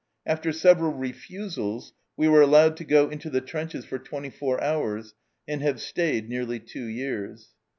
"After several refusals we were allowed to go into the trenches for twenty four hours, and have stayed nearly two years.